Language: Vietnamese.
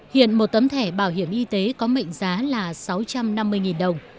hiện một tấm thẻ bảo hiểm y tế có mệnh giá là sáu trăm năm mươi đồng